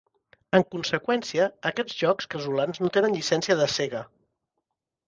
En conseqüència, aquests jocs casolans no tenen llicència de Sega.